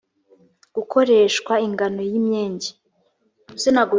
gukoreshwa ingano y imyenge